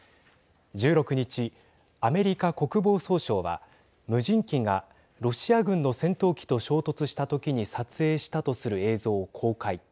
１６日、アメリカ国防総省は無人機がロシア軍の戦闘機と衝突した時に撮影したとする映像を公開。